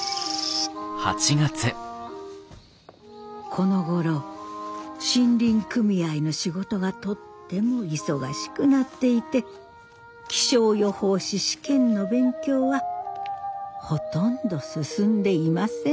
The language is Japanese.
このごろ森林組合の仕事がとっても忙しくなっていて気象予報士試験の勉強はほとんど進んでいませんでした。